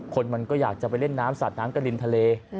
คนมันก็อยากจะไปเล่นน้ำสาดน้ำกับริมทะเล